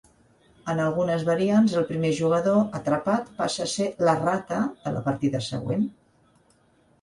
En algunes variants el primer jugador atrapat passa a ser "la rata" de la partida següent.